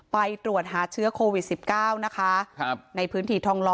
ไปตรวจหาเชื้อโควิด๑๙นะคะในพื้นที่ทองล้อ